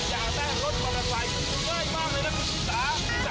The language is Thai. อยากหณะรถกำลังไหวงุ่มเงื่อยมากเลยนะคุณศีรษะ